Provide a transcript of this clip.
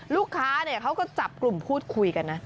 ลูกค้าเขาก็จับกลุ่มพูดคุยกันนะ